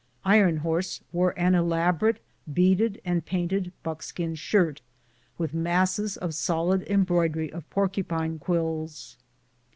Iron Horse wore an elaborately beaded and painted buckskin shirt, with masses of solid embroidery of porcupine quills.